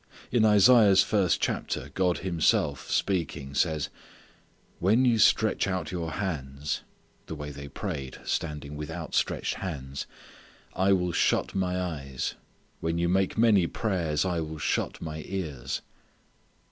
In Isaiah's first chapter God Himself speaking says, "When you stretch out your hands" the way they prayed, standing with outstretched hands "I will shut My eyes; when you make many prayers, I will shut My ears."